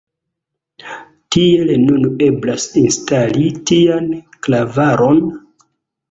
Kiel nun eblas instali tian klavaron?